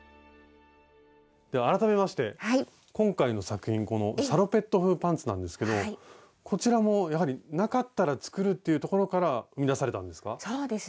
では改めまして今回の作品このサロペット風パンツなんですけどこちらもやはりなかったら作るっていうところから生み出されたんですか？